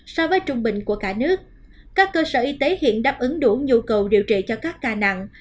so với trung bình của cả nước các cơ sở y tế hiện đáp ứng đủ nhu cầu điều trị cho các ca nặng